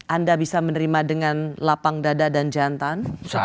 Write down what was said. anda bisa menerima dengan lapang dada dan jantan